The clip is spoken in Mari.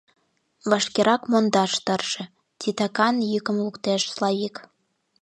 Вашкерак мондаш тырше... — титакан йӱкым луктеш Славик.